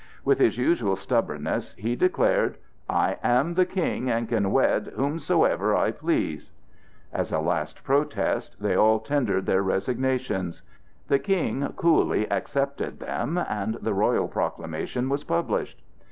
With his usual stubbornness, he declared: "I am the King, and can wed whomsoever I please." As a last protest they all tendered their resignations. The King coolly accepted them, and the royal proclamation was published.